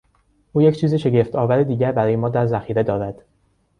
او یک چیز شگفتآور دیگر برای ما در ذخیره دارد.